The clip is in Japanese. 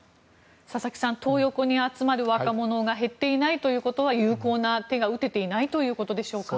佐々木さん、トー横に集まる若者が減っていないということは有効な手が打てていないということでしょうか。